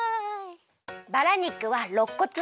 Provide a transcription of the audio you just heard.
バラ肉はろっこつ。